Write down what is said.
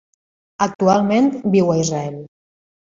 Actualment viu a Israel.